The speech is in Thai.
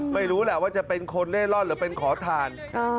ไม่รู้แหละว่าจะเป็นคนเล่ร่อนหรือเป็นขอทาน